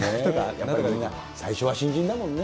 みんな、最初は新人だもんね。